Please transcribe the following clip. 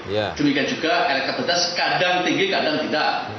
demikian juga elektabilitas kadang tinggi kadang tidak